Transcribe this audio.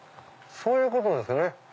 そういうことですね。